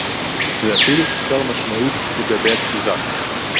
זה אפילו חסר משמעות לגבי הכתיבה